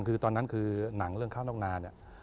คือตอนนั้นคือหนังเล่าน้องนาเนี่ย